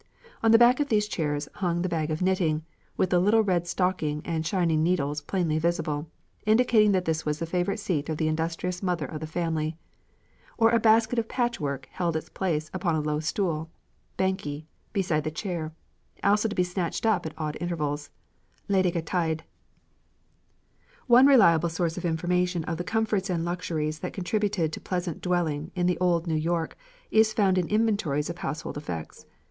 On the back of these chairs hung the bag of knitting, with the little red stocking and shining needles plainly visible, indicating that this was the favourite seat of the industrious mother of the family; or a basket of patchwork held its place upon a low stool (bankje) beside the chair, also to be snatched up at odd intervals (ledige tyd)." One reliable source of information of the comforts and luxuries that contributed to pleasant dwelling in old New York is found in old inventories of household effects.